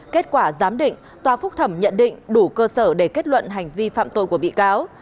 kết quả giám định tòa phúc thẩm nhận định đủ cơ sở để kết luận hành vi phạm tội của bị cáo